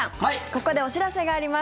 ここでお知らせがあります。